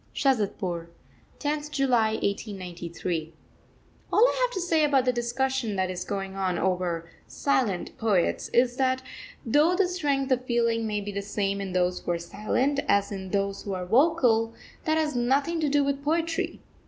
SHAZADPUR, 10th July 1893. All I have to say about the discussion that is going on over "silent poets" is that, though the strength of feeling may be the same in those who are silent as in those who are vocal, that has nothing to do with poetry.